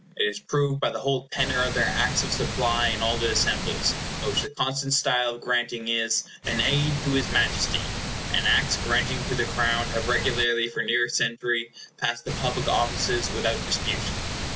It is proved by the whole tenor of their Acts of Supply in all the Assemblies, in which the constant style of granting is, "an aid to his Majesty", and Acts granting to the Crown have regularly for near a century passed the public offices without dispute.